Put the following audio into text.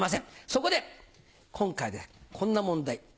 そこで今回はこんな問題。